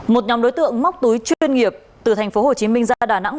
một nhóm đối tượng móc túi chuyên nghiệp từ tp hcm ra đà nẵng